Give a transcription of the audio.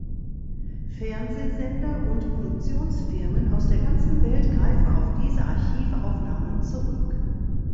Fernsehsender und Produktionsfirmen aus der ganzen Welt greifen auf diese Archivaufnahmen zurück.